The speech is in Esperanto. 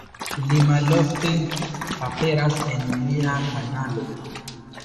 Li malofte aperas en mia kanalo